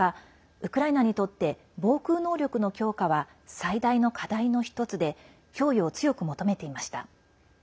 ウクライナにとって防空能力の強化は最大の課題の１つで供与を強く求めていました。